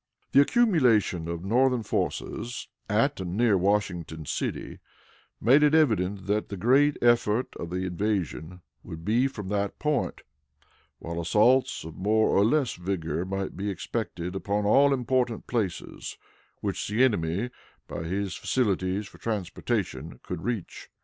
The accumulation of Northern forces at and near Washington City, made it evident that the great effort of the invasion would be from that point, while assaults of more or less vigor might be expected upon all important places which the enemy, by his facilities for transportation, could reach.